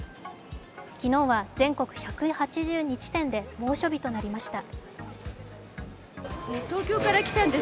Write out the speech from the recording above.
昨日は全国１８２地点で猛暑日となりました。